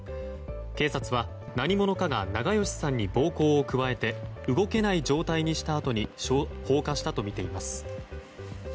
警察は何者かが長葭さんに暴行を加えて動けない状態にしたあとに放火したとみています。